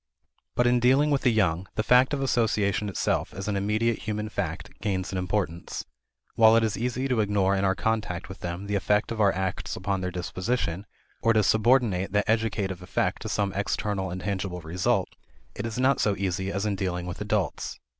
But in dealing with the young, the fact of association itself as an immediate human fact, gains in importance. While it is easy to ignore in our contact with them the effect of our acts upon their disposition, or to subordinate that educative effect to some external and tangible result, it is not so easy as in dealing with adults.